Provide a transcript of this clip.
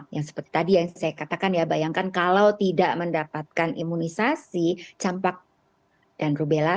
yang seperti tadi yang saya katakan ya bayangkan kalau tidak mendapatkan imunisasi campak dan rubella